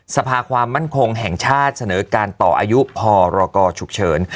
สภาความมั่นคงแห่งชาติเสนอการต่ออายุพรกชุกเฉิน